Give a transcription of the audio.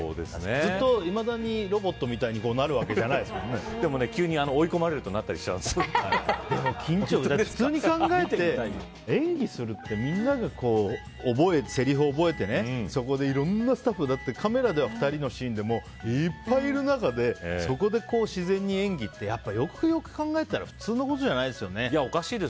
ずっといまだにロボットみたいになるわけじゃでも、急に追い込まれると普通に考えて演技するってみんながせりふを覚えてそこでいろんなスタッフがカメラでは２人のシーンでもいっぱいいる中でそこで自然に演技ってやっぱりよくよく考えると普通のことじゃないですよね。